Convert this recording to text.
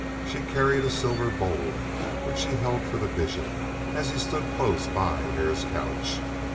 She carried a silver bowl which she held for the Bishop as he stood close by Hare's couch.